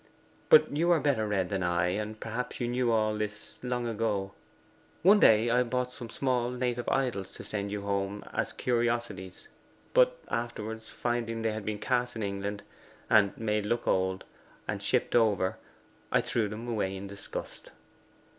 But you are better read than I, and perhaps you knew all this long ago....One day I bought some small native idols to send home to you as curiosities, but afterwards finding they had been cast in England, made to look old, and shipped over, I threw them away in disgust.